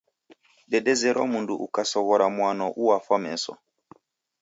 Dedezerwa mundu ukasoghora mwano uwafwa meso.